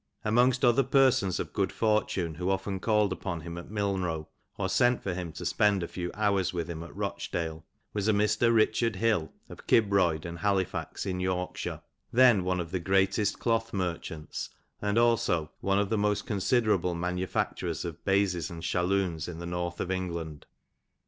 "Amongst other persons of good fortune, who often called upon him at Milnrow, or sent for him to spend a few hours with him at Itochdale, was a Mr. Richard Hill, of Kibroid and Halifax, in Yorkshire, then one of the greateat cloth merchants, and also one of the most considerable manufacturers of baizes and shalloons in the north of England.